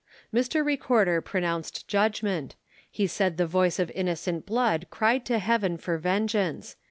Mr. Recorder pronounced judgment. He said the voice of innocent blood cried to heaven for vengeance.